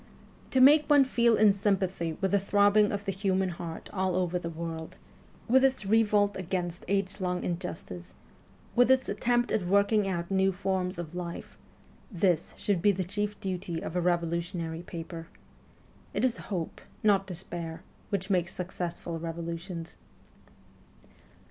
To make one feel in sympathy with the throbbing of the human heart all over the world, with its revolt against age long injustice, with its attempts at working out new forms of life this should be the chief duty of a revolu tionary paper. It is hope, not despair, which makes successful revolutions.